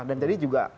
dan jadi juga